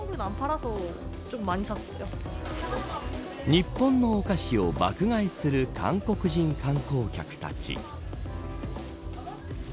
日本のお菓子を爆買いする韓国人観光客たち。